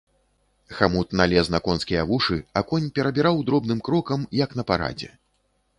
Хамут налез на конскія вушы, а конь перабіраў дробным крокам, як на парадзе.